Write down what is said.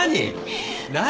何？